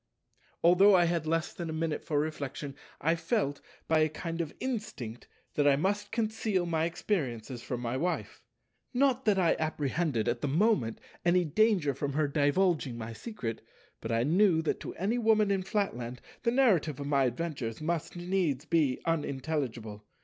Although I had less than a minute for reflection, I felt, by a kind of instinct, that I must conceal my experiences from my Wife. Not that I apprehended, at the moment, any danger from her divulging my secret, but I knew that to any Woman in Flatland the narrative of my adventures must needs be unintelligible.